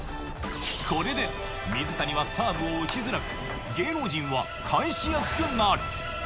これで水谷はサーブを打ちづらく、芸能人は返しやすくなる。